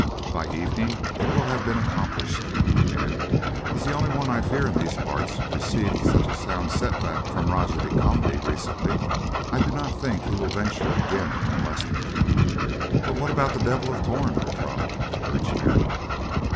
By evening it will have been accomplished; and, as the only one I fear in these parts received such a sound setback from Roger de Conde recently, I do not think he will venture again to molest me." "But what about the Devil of Torn, Bertrade?" urged Mary.